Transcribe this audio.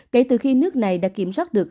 kể từ khi nước này đã kiểm soát được